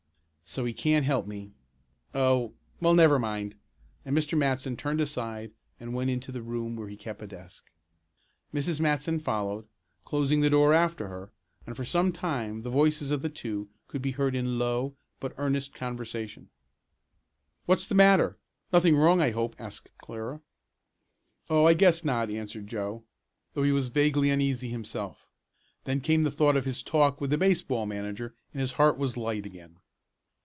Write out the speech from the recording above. "So he can't help me Oh, well, never mind," and Mr. Matson turned aside and went into the room where he kept a desk. Mrs. Matson followed, closing the door after her, and for some time the voices of the two could be heard in low but earnest conversation. "What's the matter; nothing wrong I hope?" asked Clara. "Oh, I guess not," answered Joe, though he was vaguely uneasy himself. Then came the thought of his talk with the baseball manager and his heart was light again.